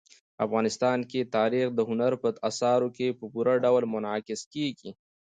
افغانستان کې تاریخ د هنر په اثارو کې په پوره ډول منعکس کېږي.